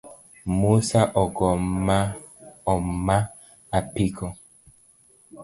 Musa ogo ma oma apiko